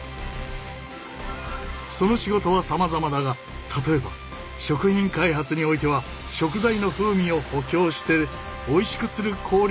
その仕事はさまざまだが例えば食品開発においては食材の風味を補強しておいしくする香料を調合したりする。